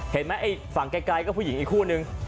ไอ้ฝั่งไกลก็ผู้หญิงอีกคู่นึง